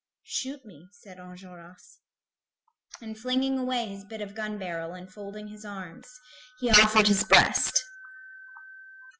"Shoot me," said Enjolras. And flinging away his bit of gun barrel, and folding his arms, he offered his breast.